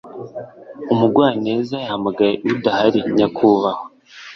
Umugwaneza yahamagaye udahari, nyakubahwa.